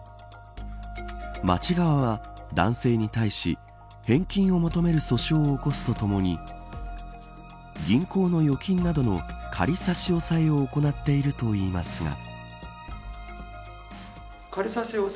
町側は、男性に対し返金を求める訴訟を起こすとともに銀行の預金などの仮差し押さえを行っているといいますが。